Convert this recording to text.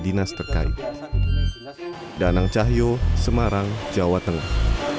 danang cahyo semarang jawa tengah